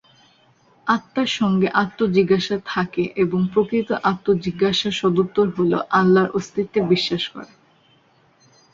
আত্মার সঙ্গে আত্মজিজ্ঞাসা থাকে এবং প্রকৃত আত্মজিজ্ঞাসার সদুত্তর হলো আল্লাহর অস্তিত্বে বিশ্বাস করা।